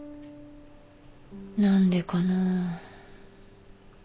何でかな。